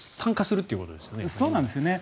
そうなんですよね。